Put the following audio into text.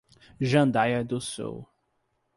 Jandaia do Sul